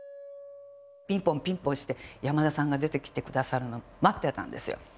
ピンポンピンポンして山田さんが出てきて下さるのを待ってたんですよ。